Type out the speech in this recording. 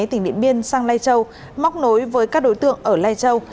tỉnh điện biên sang lai châu móc nối với các đối tượng ở lai châu